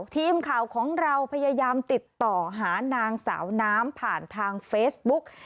ทีมข่าวของเราพยายามติดต่อหานางสาวน้ำผ่านทางเฟซบุ๊ก